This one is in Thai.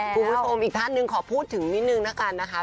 คุณผู้ชมอีกท่านหนึ่งขอพูดถึงนิดหนึ่งนะครับ